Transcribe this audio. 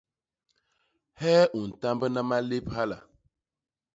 Hee u ntambna malép hala?